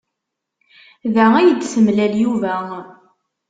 Da ay d-temlal Yuba.